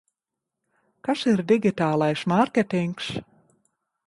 Kas ir digitālais mārketings?